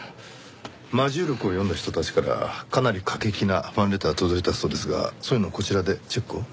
『魔銃録』を読んだ人たちからかなり過激なファンレターが届いたそうですがそういうのはこちらでチェックを？